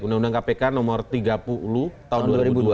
undang undang kpk nomor tiga puluh tahun dua ribu dua